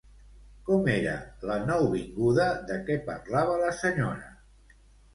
Com era, la nouvinguda de què parlava la senyora?